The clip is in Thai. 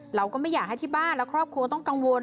เราก็ไม่อยากให้ที่บ้านและครอบครัวต้องกังวล